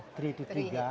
tri itu tiga